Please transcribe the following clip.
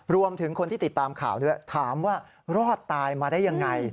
รวมถึงคนที่ติดตามข่าวด้วยถามว่ารอดตายมาได้ยังไง